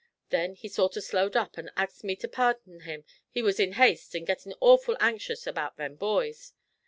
Then he sort of slowed up, and axed me to pardin him he was in haste, an' gettin' orful anxious about them boys.